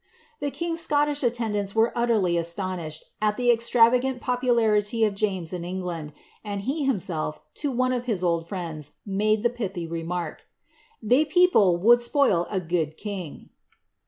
The king's Sciiltish attendants were ui:eriv astonished al ihe e Xtravaganl popularity of James in England ; aiiii r; himself, 10 one of his old friends, made the piUiy remark :" Thae pei>;\f wui spoil a gude king."